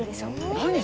何？